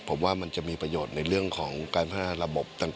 ผมว่ามันจะมีประโยชน์ในเรื่องของการพัฒนาระบบต่าง